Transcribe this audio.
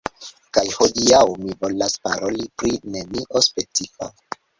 Kaj hodiaŭ mi volas paroli pri nenio specifa